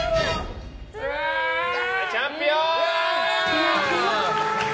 チャンピオン！